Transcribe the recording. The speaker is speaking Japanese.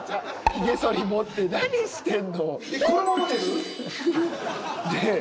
ヒゲ剃り持って何してんの？